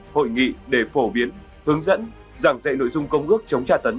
hội nghị để phổ biến hướng dẫn giảng dạy nội dung công ước chống tra tấn